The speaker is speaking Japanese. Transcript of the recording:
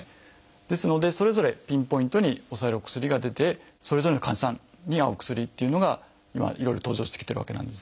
ですのでそれぞれピンポイントに抑えるお薬が出てそれぞれの患者さんに合うお薬っていうのが今いろいろ登場してきてるわけなんですね。